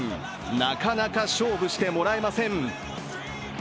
なかなか勝負してもらえません。